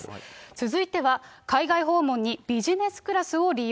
続いては海外訪問にビジネスクラスを利用。